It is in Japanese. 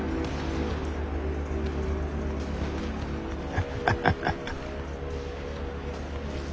ハハハハハハ。